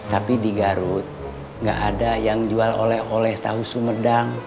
tapi di garut nggak ada yang jual oleh oleh tahu sumedang